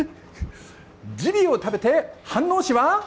ジビエを食べて、飯能市は？